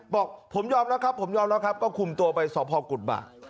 บอกผมยอมครับเขาคุมตัวไว้สพกุฎบาก